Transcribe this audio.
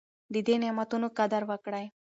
د دې نعمتونو قدر وکړئ.